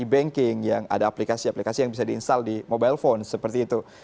di banking yang ada aplikasi aplikasi yang bisa diinstall di mobile phone seperti itu